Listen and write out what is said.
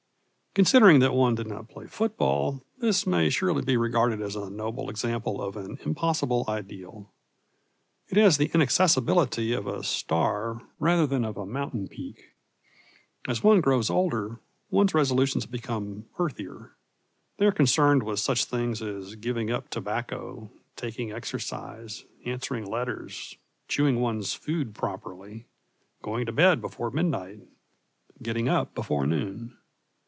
Considering that one did not play football, this may surely be regarded as a noble example of an impossible ideal. It has the inaccessibility of a star rather than of a mountain peak. As one grows older, one's resolutions become earthier. They are concerned with such things as giving up tobacco, taking exercise, answering letters, chewing one's food properly, going to bed before midnight, getting up before noon.